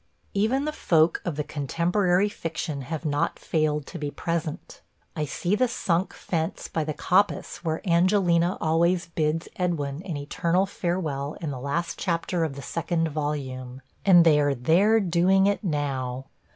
Even the folk of the contemporary fiction have not failed to be present. I see the sunk fence by the coppice where Angelina always bids Edwin an eternal farewell in the last chapter of the second volume, and they are there doing it now.